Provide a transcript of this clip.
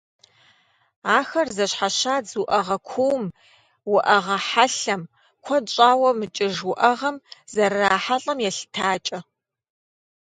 Ахэр зэщхьэщадз уӏэгъэ кууум, уӏэгъэ хьэлъэм, куэд щӏауэ мыкӏыж уӏэгъэм зэрырахьэлӏэм елъытакӏэ.